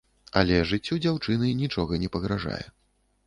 Але жыццю дзяўчыны нічога не пагражае.